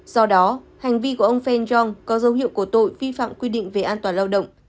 do đó hành vi của ông feng yong có dấu hiệu của tội vi phạm quy định về an toàn lao động